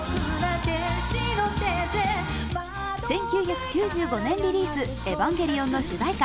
１９９５年リリース、「エヴァンゲリオン」の主題歌